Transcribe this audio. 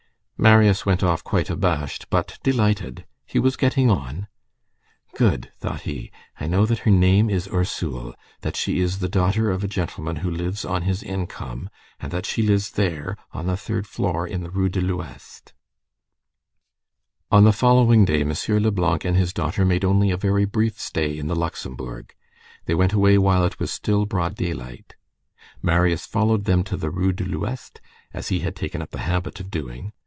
Marius went off quite abashed, but delighted. He was getting on. "Good," thought he, "I know that her name is Ursule, that she is the daughter of a gentleman who lives on his income, and that she lives there, on the third floor, in the Rue de l'Ouest." On the following day, M. Leblanc and his daughter made only a very brief stay in the Luxembourg; they went away while it was still broad daylight. Marius followed them to the Rue de l'Ouest, as he had taken up the habit of doing.